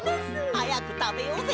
はやくたべようぜ！